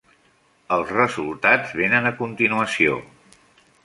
Els resultats venen a continuació.